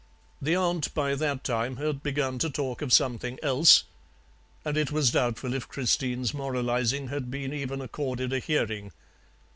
"The aunt by that time had begun to talk of something else, and it was doubtful if Christine's moralizing had been even accorded a hearing.